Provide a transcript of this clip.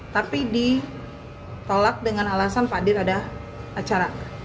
tapi ditolak dengan alasan fadir ada acara